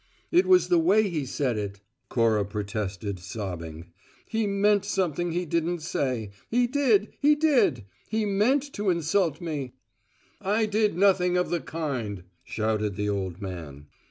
"It was the way he said it," Cora protested, sobbing. "He meant something he didn't say. He did! He did! He meant to insult me!" "I did nothing of the kind," shouted the old man.